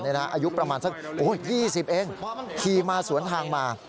อายุประมาณสัก๒๐เองขี่มาสวนทางมา